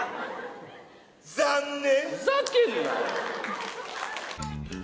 残念！